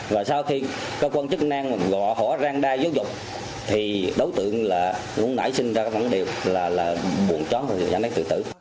và sau khi có quân chức năng gọi họ rang đa giấu dục thì đối tượng là luôn nảy sinh ra vấn đề là buồn chó và dẫn đến tự tử